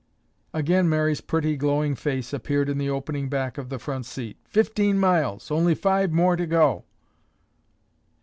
Again Mary's pretty glowing face appeared in the opening back of the front seat. "Fifteen miles! Only five more to go."